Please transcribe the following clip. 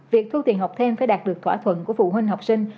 việc thu tiền học thêm phải đạt được thỏa thuận của phụ huynh học sinh